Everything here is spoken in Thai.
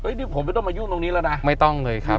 นี่ผมไม่ต้องมายุ่งตรงนี้แล้วนะไม่ต้องเลยครับ